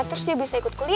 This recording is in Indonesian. terus dia bisa ikut kuliah